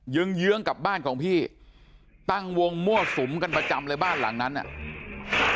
ื้องเยื้องกับบ้านของพี่ตั้งวงมั่วสุมกันประจำเลยบ้านหลังนั้นอ่ะ